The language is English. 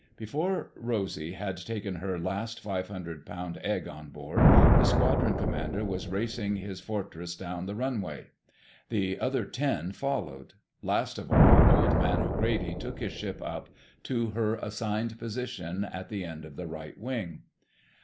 Before Rosy had taken her last five hundred pound egg on board the squadron commander was racing his Fortress down the runway. The other ten followed. Last of all, Old Man O'Grady took his ship up to her assigned position at the end of the right wing.